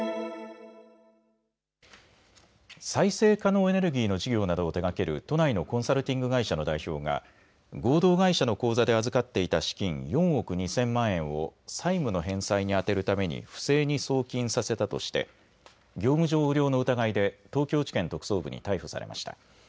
再生可能エネルギーの事業などを手がける都内のコンサルティング会社の代表が合同会社の口座で預かっていた資金４億２０００万円を債務の返済に充てるために不正に送金させたとして業務上横領の疑いで東京地検特捜部に逮捕されました。